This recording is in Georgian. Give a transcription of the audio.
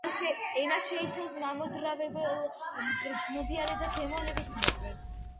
ენა შეიცავს მამოძრავებელ, მგრძნობიარე და გემოვნების ნერვებს.